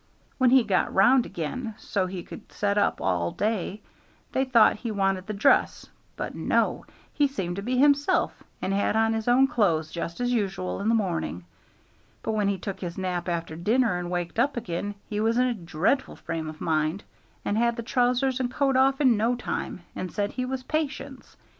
When he got round again so he could set up all day, they thought he wanted the dress; but no; he seemed to be himself, and had on his own clothes just as usual in the morning; but when he took his nap after dinner and waked up again, he was in a dreadful frame o' mind, and had the trousers and coat off in no time, and said he was Patience.